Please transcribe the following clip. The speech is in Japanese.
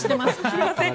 すいません。